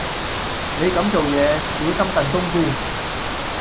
你咁做野，小心燉冬菇